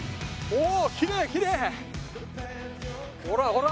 ほら！